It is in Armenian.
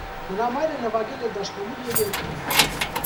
Նրա մայրը նվագել է դաշնամուր և երգել է։